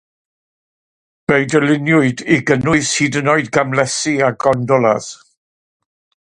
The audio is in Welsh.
Fe'i dyluniwyd i gynnwys hyd yn oed gamlesi a gondolas.